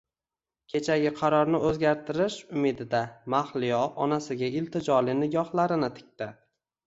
Kechagi qarorni o`zgartirish umidida Mahliyo onasiga iltijoli nigohlarini tikdi